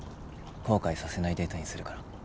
後悔させないデートにするから。